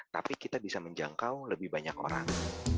tapi kita bisa menjangkau lebih banyak orang